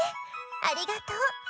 ありがとう。